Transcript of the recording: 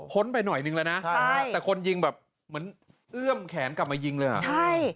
ไปหน่อยนึงแล้วนะแต่คนยิงแบบเหมือนเอื้อมแขนกลับมายิงเลยเหรอใช่